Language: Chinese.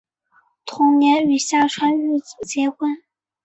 同年与下川玉子结婚。